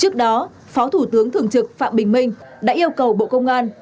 trước đó phó thủ tướng thường trực phạm bình minh đã yêu cầu bộ công an